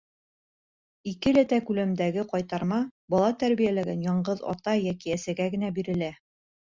— Икеләтә күләмдәге ҡайтарма бала тәрбиәләгән яңғыҙ ата йәки әсәгә генә бирелә.